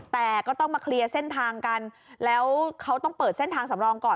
แต่ก็ต้องมาเคลียร์เส้นทางกันแล้วเขาต้องเปิดเส้นทางสำรองก่อน